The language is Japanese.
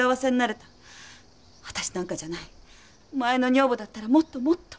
私なんかじゃない前の女房だったらもっともっと。